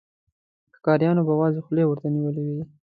ښکاريانو به وازې خولې ورته نيولې وې.